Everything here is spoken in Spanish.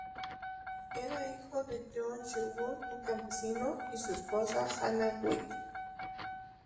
Era hija de John Sherwood, un campesino y su esposa Hannah Wright.